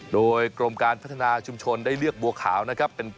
โดยกรมการพัฒนาชุมชนได้เลือกบัวขาวนะครับ